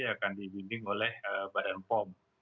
yang akan dibimbing oleh badan pom